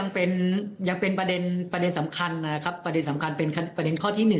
ยังเป็นประเด็นสำคัญนะครับประเด็นสำคัญเป็นประเด็นข้อที่๑